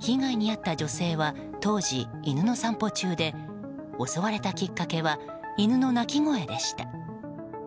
被害に遭った女性は当時、犬の散歩中で襲われたきっかけは犬の鳴き声でした。